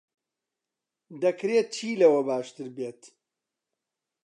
دەکرێت چی لەوە باشتر بێت؟